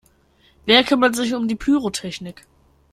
Wer kümmert sich um die Pyrotechnik?